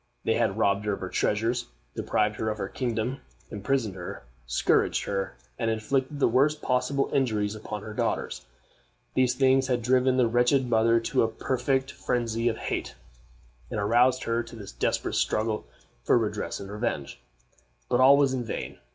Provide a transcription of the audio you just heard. They had robbed her of her treasures, deprived her of her kingdom, imprisoned her, scourged her, and inflicted the worst possible injuries upon her daughters. These things had driven the wretched mother to a perfect phrensy of hate, and aroused her to this desperate struggle for redress and revenge. But all was in vain.